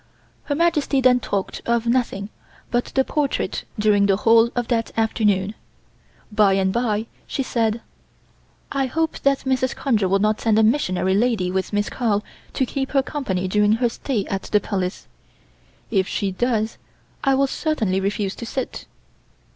Her Majesty then talked of nothing but the portrait during the whole of that afternoon. By and bye she said: "I hope that Mrs. Conger will not send a missionary lady with Miss Carl to keep her company during her stay at the Palace. If she does I will certainly refuse to sit."